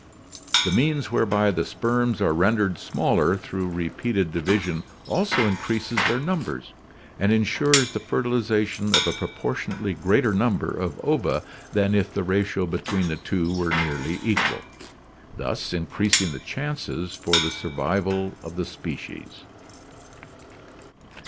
The means whereby the sperms are ren dered smaller through repeated division also increases their num bers and insures the fertilization of a proportionately greater number of ova than if the ratio between the two were more nearly equal, thus increasing the chances for the survival of the species.